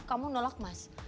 kamu nolak mas